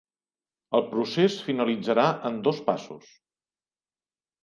El procés finalitzarà en dos passos.